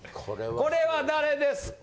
これは誰ですか？